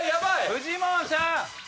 フジモンさん！